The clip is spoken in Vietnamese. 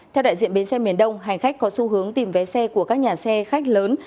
theo đại diện bến xe miền đông hành khách có xu hướng tìm vé xe của các nhà xe khách lớn